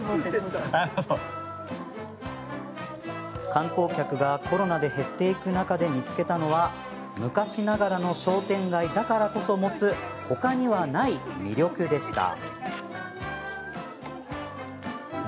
観光客がコロナで減っていく中で見つけたのは昔ながらの商店街だからこそ持つほかにはない魅力でした。